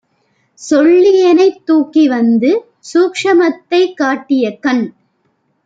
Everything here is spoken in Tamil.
சொல்லிஎனைத் தூக்கிவந்து சூக்ஷுமத்தைக் காட்டிய, கண்